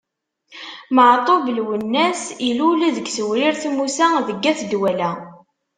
Meɛtub Lwennas ilul deg Tewrirt Musa deg At Dwala.